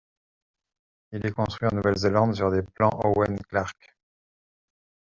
Il est construit en Nouvelle-Zélande sur des plans Owen-Clarke.